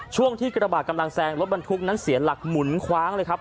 ช่วงที่กระบาดกำลังแซงรถบรรทุกนั้นเสียหลักหมุนคว้างเลยครับ